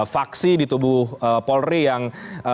faksi di tubuh polri yang